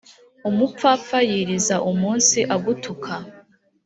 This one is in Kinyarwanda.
umupfapfa yiriza umunsi agutuka